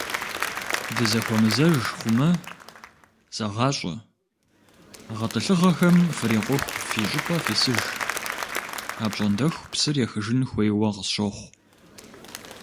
Дызэхуэмызэж хъумэ, зэгъащӀэ: гъэтӀылъыгъэхэм фрикъуху фи щӏыпӏэ фисыж, апщӀондэху псыр ехыжын хуейуэ къысщохъу.